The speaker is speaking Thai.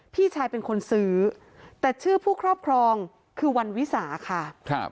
พี่ชายเป็นคนซื้อแต่ชื่อผู้ครอบครองคือวันวิสาค่ะครับ